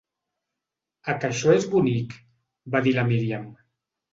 "A que això és bonic?', va dir la Míriam.